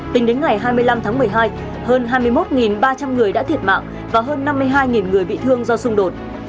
tính đến ngày hai mươi năm tháng một mươi hai hơn hai mươi một ba trăm linh người đã thiệt mạng và hơn năm mươi hai người bị thương do xung đột